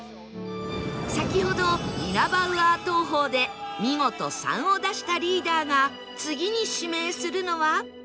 先ほどイナバウアー投法で見事「３」を出したリーダーが次に指名するのは